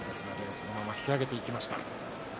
そのまま引き揚げていきました。